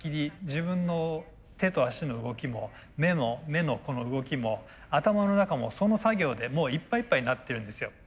自分の手と足の動きも目のこの動きも頭の中もその作業でもういっぱいいっぱいになってるんですよ。